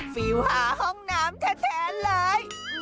ฟิลหาห้องน้ำแท้เลย